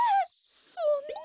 そんな。